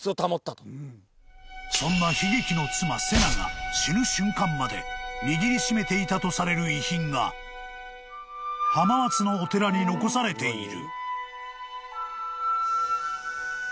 ［そんな悲劇の妻瀬名が死ぬ瞬間まで握り締めていたとされる遺品が浜松のお寺に残されている］